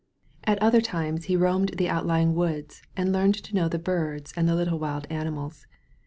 At other times he roamed the outlying woods and learned to know the birds and the Uttle wild animals.